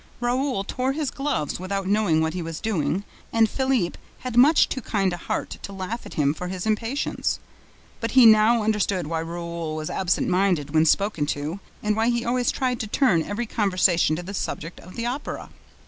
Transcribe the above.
Raoul tore his gloves without knowing what he was doing and Philippe had much too kind a heart to laugh at him for his impatience. But he now understood why Raoul was absent minded when spoken to and why he always tried to turn every conversation to the subject of the Opera.